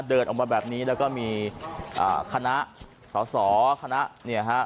เดินออกมาแบบนี้แล้วก็มีอ่าคณะสอสอคณะเนี่ยฮะ